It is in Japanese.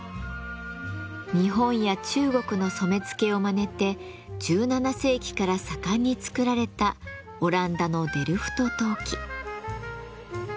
日本や中国の染付をまねて１７世紀から盛んに作られたオランダのデルフト陶器。